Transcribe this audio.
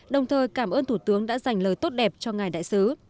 đồng thời cảm ơn thủ tướng đã dành lời tốt đẹp cho ngài đại sứ